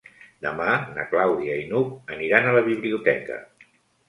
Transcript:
Demà na Clàudia i n'Hug aniran a la biblioteca.